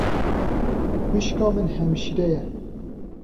Xwîşka min hemşîre ye.